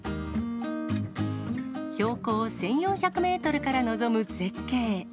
標高１４００メートルから望む絶景。